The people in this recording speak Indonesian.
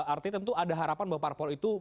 artinya tentu ada harapan bahwa parpol itu